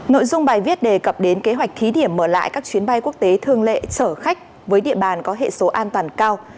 nội dung bài viết đề cập đến kế hoạch thí điểm mở lại các chuyến bay quốc tế thương lệ chở khách với địa bàn có hệ số an toàn cao